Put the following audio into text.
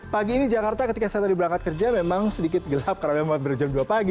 pagi ini jakarta ketika saya tadi berangkat kerja memang sedikit gelap karena memang berjam dua pagi